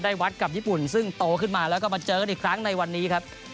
วัดกับญี่ปุ่นซึ่งโตขึ้นมาแล้วก็มาเจอกันอีกครั้งในวันนี้ครับ